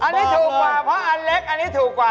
อันนี้ถูกกว่าเพราะอันเล็ก